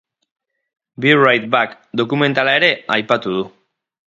Be right back dokumentala ere aipatu du.